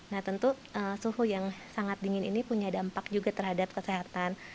nah tentu suhu yang sangat dingin ini punya dampak juga terhadap kesehatan